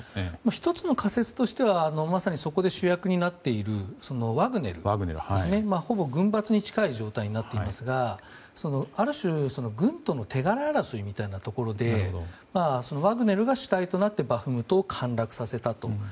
１つの仮説としてはまさにそこで主役になっているワグネル、ほぼ軍閥に近い状態になっているんですがある種、軍との手柄争いみたいなところでワグネルが主体となってバフムトを陥落させたと。